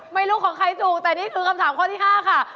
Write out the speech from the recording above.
ไม่รู้ของใครถูกแต่นี่คือคำถามข้อที่๕ค่ะ